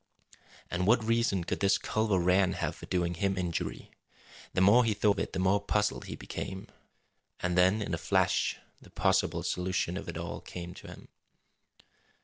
And what reason could this Culver Rann have for doing him injury? The more he thought of it the more puzzled he became. And then, in a flash, the possible solution of it all came to him.